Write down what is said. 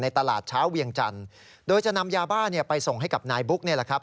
ตลาดเช้าเวียงจันทร์โดยจะนำยาบ้าเนี่ยไปส่งให้กับนายบุ๊กนี่แหละครับ